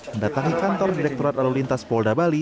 mendatangi kantor direkturat lalu lintas polda bali